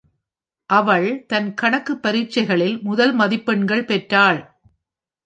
அவள் தன் கணக்கு பரிட்சைகளில் முதல் மதிப்பெண்கள் பெற்றாள்.